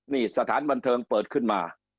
นี่สถานบันเทิงเปิดขึ้นมา